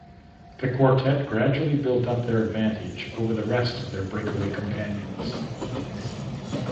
The quartet gradually built up their advantage over the rest of their breakaway companions.